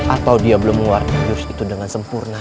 atau dia belum mengeluarkan jurus itu dengan sempurna